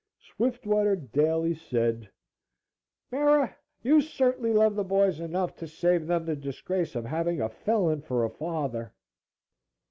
Swiftwater daily said: "Bera, you certainly love the boys enough to save them the disgrace of having a felon for a father."